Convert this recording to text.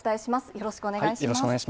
よろしくお願いします。